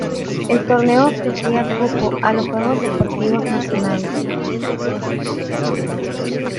El torneo ofrecía cupo a los Juegos Deportivos Nacionales.